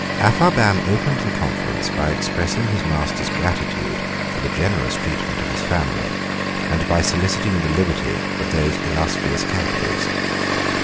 Apharban opened the conference by expressing his master's gratitude for the generous treatment of his family, and by soliciting the liberty of those illustrious captives.